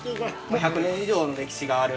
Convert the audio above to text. ◆１００年以上の歴史がある